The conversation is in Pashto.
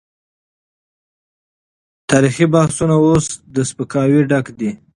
تاريخي بحثونه اوس له سپکاوي ډک دي.